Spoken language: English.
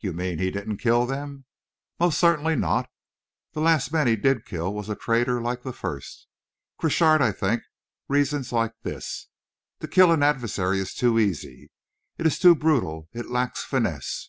"You mean he didn't kill them?" "Most certainly not. This last man he did kill was a traitor like the first. Crochard, I think, reasons like this; to kill an adversary is too easy; it is too brutal; it lacks finesse.